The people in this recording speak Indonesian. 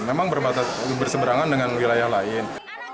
memang berseberangan dengan wilayah lain